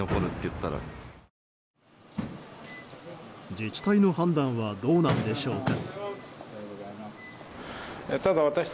自治体の判断はどうなんでしょうか。